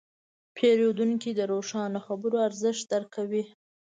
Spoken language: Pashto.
پیرودونکی د روښانه خبرو ارزښت درک کوي.